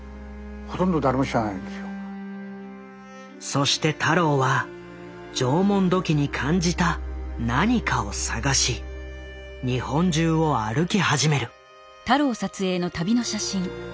そして太郎は縄文土器に感じた何かを探し日本中を歩き始める。